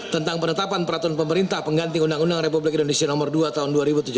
tentang penetapan peraturan pemerintah pengganti undang undang republik indonesia nomor dua tahun dua ribu tujuh belas